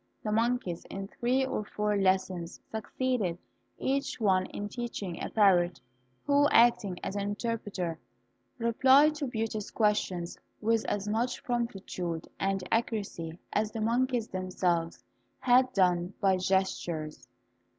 The monkeys, in three or four lessons, succeeded each one in teaching a parrot, who, acting as an interpreter, replied to Beauty's questions with as much promptitude and accuracy as the monkeys themselves had done by gestures.